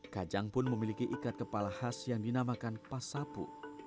kajang pun memiliki ikat kepala khas yang dinamakan pasapu